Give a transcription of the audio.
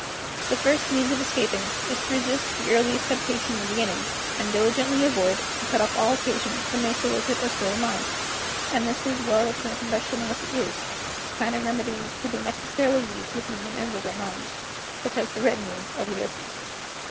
The first means of escaping is to resist the earliest temptation in the beginning, and diligently avoid and cut off all occasions that may solicit or sway the mind; and this is well represented by shutting up the ears, a kind of remedy to be necessarily used with mean and vulgar minds, such as the retinue of Ulysses.